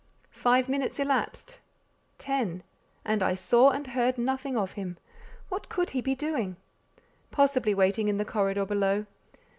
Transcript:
Five minutes elapsed—ten—and I saw and heard nothing of him. What could he be doing? Possibly waiting in the corridor below.